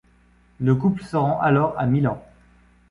Le couple se rend alors à Milan.